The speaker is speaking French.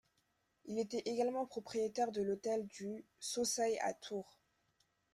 Il était également propriétaire de l'Hôtel du Saussay à Tours.